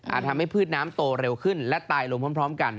ทำให้พืชน้ำโตเร็วขึ้นและตายลงพร้อมกัน